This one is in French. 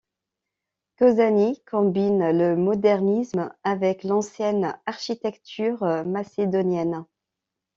Kozani combine le modernisme avec l'ancienne architecture macédonienne.